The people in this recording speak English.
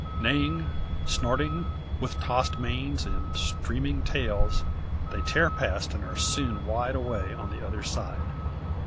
Neighing, snorting, with tossed manes, and streaming tails, they tear past, and are soon wide away on the other side.